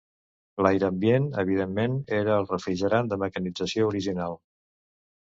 L'aire ambient, evidentment, era el refrigerant de mecanització original.